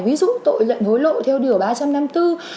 ví dụ tội nhận hối lộ theo điều ba trăm năm mươi bốn